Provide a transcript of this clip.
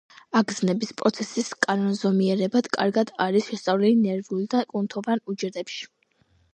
აგზნების პროცესის კანონზომიერებანი კარგად არის შესწავლილი ნერვულ და კუნთოვან უჯრედებში.